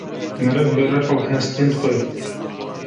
Meriv bi rih û hestin xwe